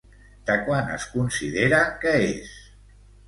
De quan es considera que és?